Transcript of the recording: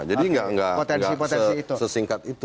jadi nggak sesingkat itu